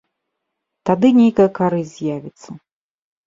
Тады нейкая карысць з'явіцца.